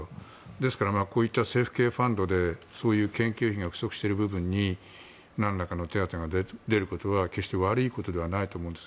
ですからこういった政府系ファンドでそういう研究費が不足している部分に何らかの手当が出ることは決して悪いことではないと思います。